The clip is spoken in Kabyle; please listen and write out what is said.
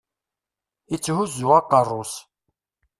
Itthuzzu aqerru-s.